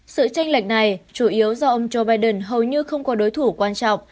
sự tranh lệch này chủ yếu do ông joe biden hầu như không có đối thủ quan trọng